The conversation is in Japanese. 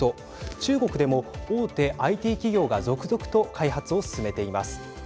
中国でも大手ＩＴ企業が続々と開発を進めています。